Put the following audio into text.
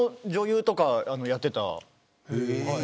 女優とかやってました。